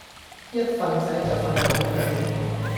一瞓醒就瞓捩頸